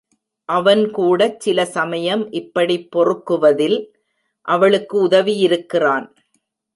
அவன் கூடச் சில சமயம் இப்படிப் பொறுக்குவதில் அவளுக்கு உதவியிருக்கிறான்.